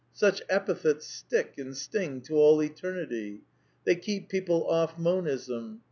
Such epithets stick and sting to all eternity. They keep people off Monism.